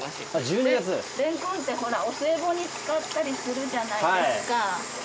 れんこんってほらお歳暮に使ったりするじゃないですか。